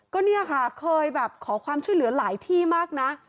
ก็เนี่ยค่ะเคยแบบขอความช่วยเหลือหลายที่มากนะ